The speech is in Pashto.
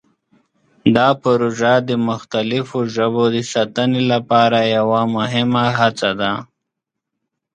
دا پروژه د مختلفو ژبو د ساتنې لپاره یوه مهمه هڅه ده.